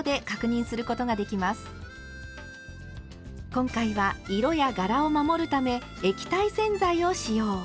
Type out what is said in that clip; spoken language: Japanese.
今回は色や柄を守るため液体洗剤を使用。